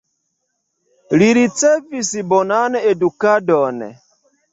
Li ricevis bonan edukadon.